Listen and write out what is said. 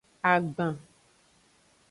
Agban.